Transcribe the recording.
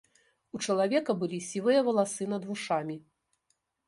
У чалавека былі сівыя валасы над вушамі.